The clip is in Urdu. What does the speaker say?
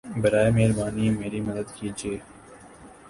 براہِ مہربانی میری مدد کیجیے